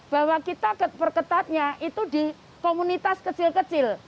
bahwa kita perketatnya itu di komunitas kecil kecil